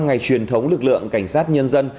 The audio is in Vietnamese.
ngày truyền thống lực lượng cảnh sát nhân dân